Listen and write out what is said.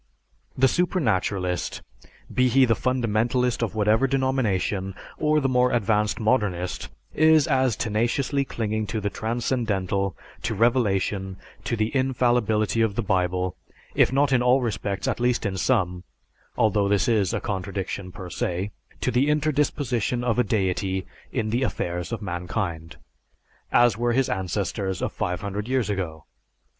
The supernaturalist, be he the fundamentalist of whatever denomination, or the more advanced modernist, is as tenaciously clinging to the transcendental, to revelation, to the infallibility of the Bible, if not in all respects at least in some (although this is a contradiction per se), to the interdisposition of a deity in the affairs of mankind, as were his ancestors of five hundred years ago.